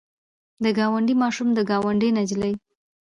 د ګاونډي ماشوم د ګاونډۍ نجلۍ.